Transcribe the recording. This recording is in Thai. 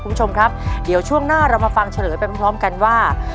คุณผู้ชมครับเดี๋ยวช่วงหน้าเรามาฟังเฉลยไปพร้อมกันว่า